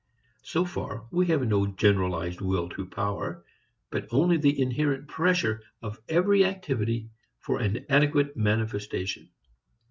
So far we have no generalized will to power, but only the inherent pressure of every activity for an adequate manifestation.